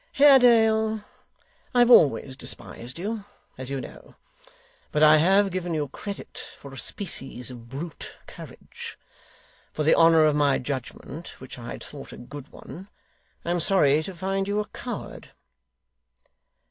Haredale, I have always despised you, as you know, but I have given you credit for a species of brute courage. For the honour of my judgment, which I had thought a good one, I am sorry to find you a coward.